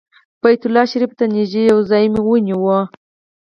بیت الله شریفې ته نږدې یو ځای مو ونیو.